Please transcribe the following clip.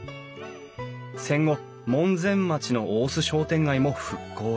戦後門前町の大須商店街も復興へ。